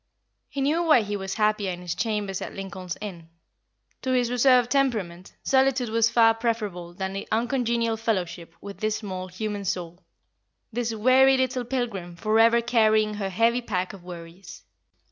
He knew why he was happier in his chambers at Lincoln's Inn. To his reserved temperament, solitude was far preferable than uncongenial fellowship with this small human soul, this weary little pilgrim forever carrying her heavy pack of worries.